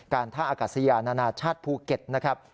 ท่าอากาศยานานาชาติภูเก็ตนะครับ